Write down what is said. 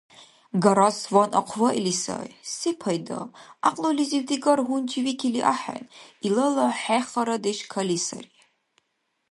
Гарасван ахъваили сай, сепайда, гӀякьлулизив-декӀар гьунчивикили ахӀен. Илала хӀехарадеш кали сари.